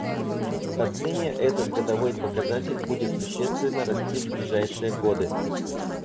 Отныне этот годовой показатель будет существенно расти в ближайшие годы.